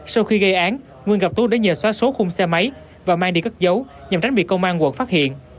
sau khi gây án nguyên gặp tú để nhờ xóa số khung xe máy và mang đi các dấu nhằm tránh bị công an quận phát hiện